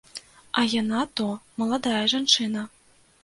А яна то маладая жанчына!